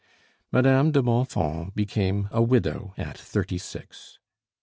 Madame de Bonfons became a widow at thirty six.